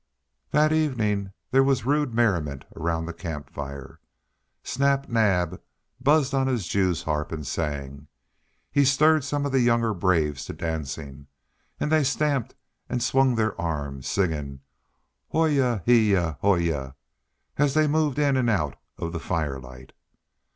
That evening there was rude merriment around the campfire. Snap Naab buzzed on his jews' harp and sang. He stirred some of the younger braves to dancing, and they stamped and swung their arms, singing, "hoya heeya howya," as they moved in and out of the firelight.